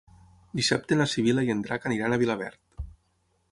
Dissabte na Sibil·la i en Drac aniran a Vilaverd.